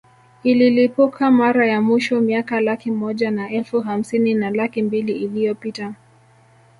Ililipuka mara ya mwisho miaka laki moja na elfu hamsini na laki mbili iliyopita